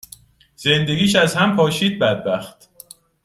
زندگیش از هم پاشید بدبخت.